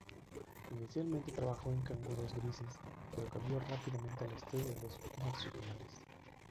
Inicialmente trabajó en canguros grises, pero cambió rápidamente al estudio de los marsupiales.